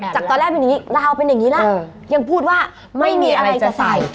จากตอนแรกเป็นอย่างนี้ราวเป็นอย่างนี้แล้วยังพูดว่าไม่มีอะไรจะใส่